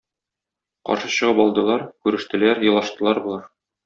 Каршы чыгып алдылар, күрештеләр, елаштылар болар.